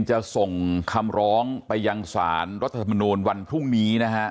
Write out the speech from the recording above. จะส่งคำร้องไปยังสารรัฐธรรมนูลวันพรุ่งนี้นะฮะ